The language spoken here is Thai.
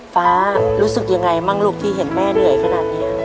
ฟ้ารู้สึกยังไงบ้างลูกที่เห็นแม่เหนื่อยขนาดนี้